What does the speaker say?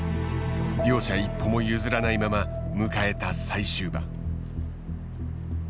両者一歩も譲らないまま迎えた最終盤。